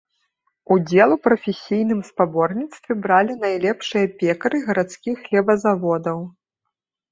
Удзел у прафесійным спаборніцтве бралі найлепшыя пекары гарадскіх хлебазаводаў.